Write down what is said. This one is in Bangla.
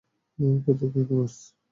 প্রত্যেক ইউনিভার্স থেকে।